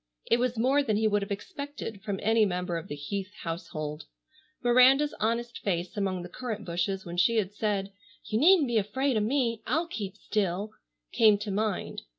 It was more than he would have expected from any member of the Heath household. Miranda's honest face among the currant bushes when she had said, "You needn't be afraid of me, I'll keep still," came to mind.